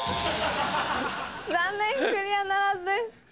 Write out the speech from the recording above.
残念クリアならずです。